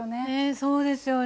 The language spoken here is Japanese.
そうですよね。